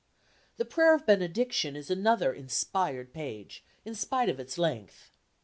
The prayer of benediction is another inspired page, in spite of its length.